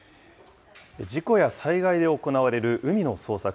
事故や災害で行われる海の捜索。